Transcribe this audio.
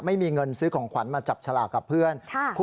ไม่มีเงินซื้อของขวัญมาจับฉลากกับเพื่อน